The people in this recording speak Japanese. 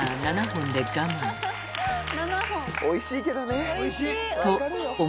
おいしいけどね。